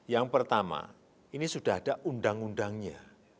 yang pertama ini sudah ada undang undangnya